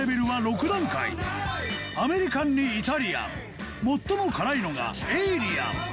アメリカンにイタリアン最も辛いのがエイリアン